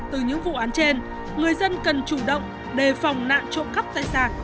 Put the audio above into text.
từ những vụ án trên người dân cần chủ động đề phòng nạn trộm cắp tài sản